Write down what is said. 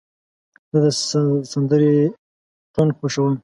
زه د سندرې ټون خوښوم.